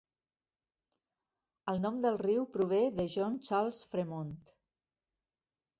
El nom del riu prové de John Charles Fremont.